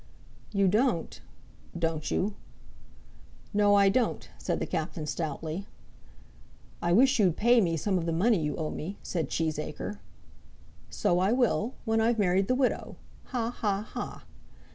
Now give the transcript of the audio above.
"You don't; don't you?" "No, I don't," said the Captain stoutly. "I wish you'd pay me some of that money you owe me," said Cheesacre. "So I will, when I've married the widow. Ha, ha, ha."